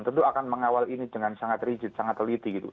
tentu akan mengawal ini dengan sangat rigid sangat teliti gitu